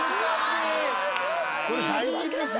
「これ最近ですよ」